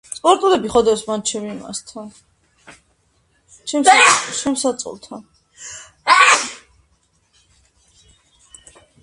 გავრცელებულია სამხრეთ ამერიკაში, ავსტრალიასა და წყნარი ოკეანის კუნძულებზე.